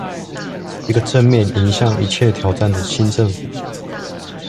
一個正面迎向一切挑戰的新政府